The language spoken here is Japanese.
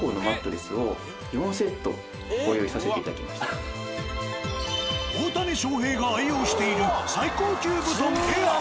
実は大谷翔平が愛用している最高級布団「エアー」。